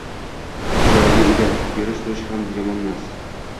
chiroyli edi, yurish-turish ham yomonmas.